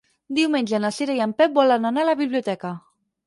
Diumenge na Cira i en Pep volen anar a la biblioteca.